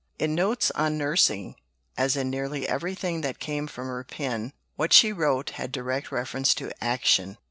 In Notes on Nursing, as in nearly everything that came from her pen, what she wrote had direct reference to action.